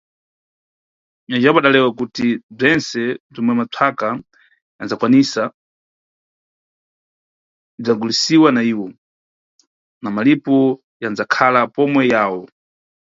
Nyacipapu adalewa kuti bzwentse bzwomwe matswaka yanʼdzakwanisa bzwinʼdzagulisiwa na iwo, na malipo yanʼdzakhala pomwe yawo.